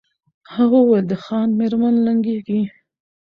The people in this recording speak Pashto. هغه وویل د خان مېرمن لنګیږي